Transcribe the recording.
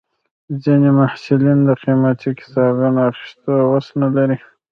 ځینې محصلین د قیمتي کتابونو اخیستو وس نه لري.